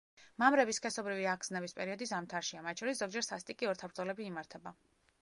მამრების სქესობრივი აღგზნების პერიოდი ზამთარშია, მათ შორის ზოგჯერ სასტიკი ორთაბრძოლები იმართება.